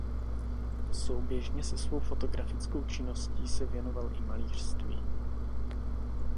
Souběžně se svou fotografickou činností se věnoval i malířství.